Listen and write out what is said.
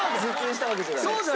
したわけじゃない。